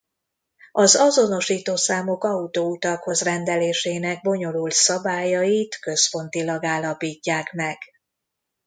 Az azonosító számok autóutakhoz rendelésének bonyolult szabályait központilag állapítják meg.